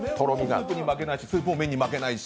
スープも麺に負けないし、麺もスープに負けないし。